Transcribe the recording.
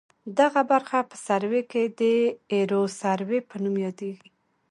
دغه برخه په سروې کې د ایروسروې په نوم یادیږي